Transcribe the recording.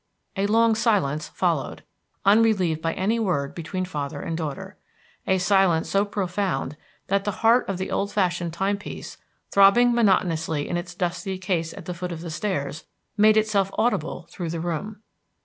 A long silence followed, unrelieved by any word between father and daughter, a silence so profound that the heart of the old fashioned time piece, throbbing monotonously in its dusky case at the foot of the stairs, made itself audible through the room.